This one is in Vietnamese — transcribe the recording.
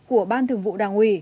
của ban thường vụ đảng ủy